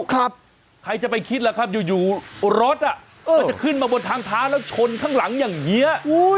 ใครจะไปคิดล่ะครับอยู่รถก็จะขึ้นมาบนทางเท้าแล้วชนข้างหลังอย่างนี้